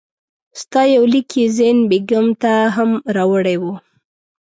ستا یو لیک یې زین بېګم ته هم راوړی وو.